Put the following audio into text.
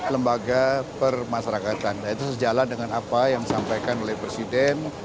lembaga permasyarakatan nah itu sejalan dengan apa yang disampaikan oleh presiden